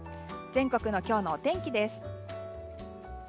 全国の今日のお天気です。